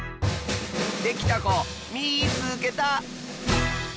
できたこみいつけた！